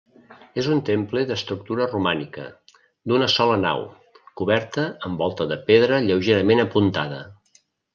És un temple d'estructura romànica, d'una sola nau, coberta amb volta de pedra lleugerament apuntada.